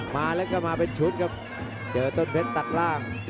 มาแล้วก็มาเป็นชุดครับเจอต้นเพชรตัดล่าง